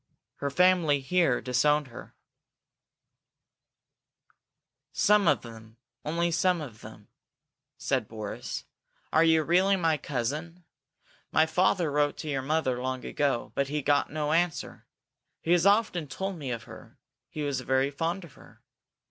"Her family here disowned her " "Some of them only some of them," said Boris. "Are you really my cousin? My father wrote to your mother long ago but he got no answer! He has often told me of her. He was very fond of her!